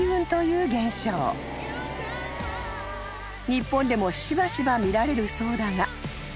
［日本でもしばしば見られるそうだが］